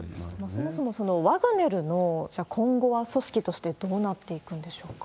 そもそもワグネルの今後は、組織としてどうなっていくんでしょうか？